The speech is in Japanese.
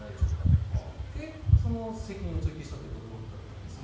そして、その責任を追及したということだと思います。